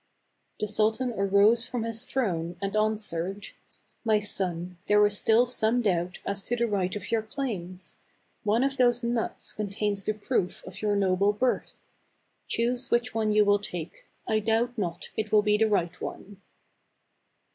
The sultan arose from his throne, and answered, " My son, there is still some doubt as to the right of your claims. One of those nuts con tains the proof of your noble birth. Choose which one you will take ; I doubt not it will be the right one."